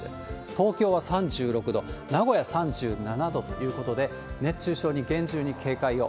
東京は３６度、名古屋３７度ということで、熱中症に厳重に警戒を。